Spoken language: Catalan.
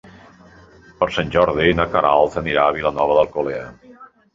Per Sant Jordi na Queralt anirà a Vilanova d'Alcolea.